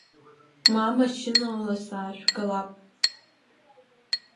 Ма машьынала саажәгалап.